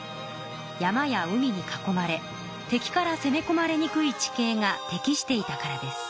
山や海に囲まれ敵からせめこまれにくい地形が適していたからです。